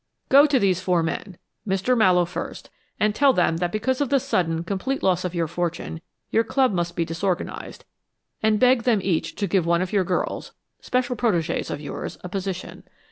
Go to these four men Mr. Mallowe first and tell them that because of the sudden, complete loss of your fortune, your club must be disorganized, and beg them each to give one of your girls, special protégées of yours, a position.